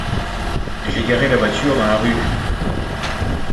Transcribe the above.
J'ai garé la voiture dans la rue.